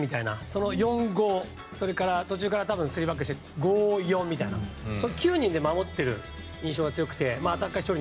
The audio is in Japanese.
その４−５それから多分、途中から３バックにして５−４みたいな９人で守っている印象が強くて。